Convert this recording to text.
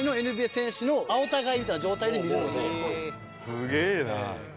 すげぇな。